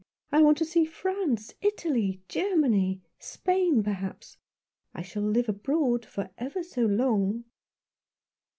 I want to see France, Italy, Germany — Spain, perhaps. I shall live abroad for ever so long."